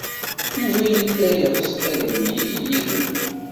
Yuba yella yeɣs ad yemlil yid-m.